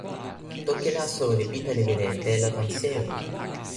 toki la, soweli Pita li wile e telo tan sewi.